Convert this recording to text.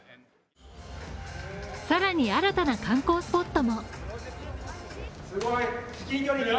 さらに新たな観光スポットも。